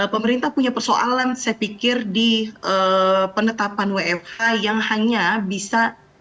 pemerintah punya persoalan saya pikir di penetapan wfh yang hanya bisa